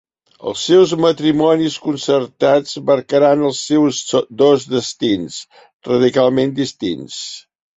Els seus matrimonis concertats marcaran els seus dos destins radicalment distints.